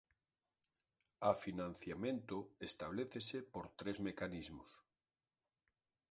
A financiamento establécese por tres mecanismos.